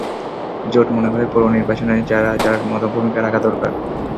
জোট মনে করে, পৌর নির্বাচনে যার যার মতো ভূমিকা রাখা দরকার।